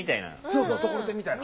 そうそうところてんみたいな。